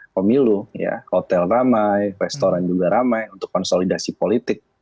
pemilu hotel ramai restoran juga ramai untuk konsolidasi politik